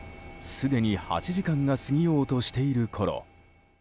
すでに８時間が過ぎようとしているころ。